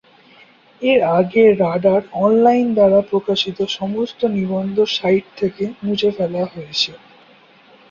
এর আগে radar online দ্বারা প্রকাশিত সমস্ত নিবন্ধ সাইট থেকে মুছে ফেলা হয়েছে।